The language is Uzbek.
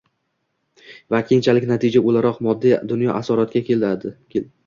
Va keyinchalik, natija o‘laroq, moddiy dunyoga asorat keltiradi: